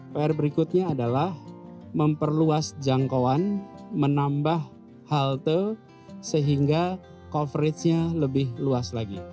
pr berikutnya adalah memperluas jangkauan menambah halte sehingga coverage nya lebih luas lagi